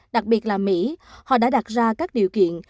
đặc biệt là mỹ họ đã đặt ra các điều kiện